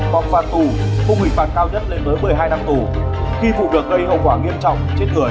bóc phạt tù cung hình phạt cao nhất lên tới một mươi hai năm tù khi phụ được gây hậu quả nghiêm trọng chết người